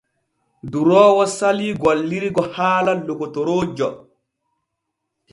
Duroowo salii gillirgo haala lokotoroojo.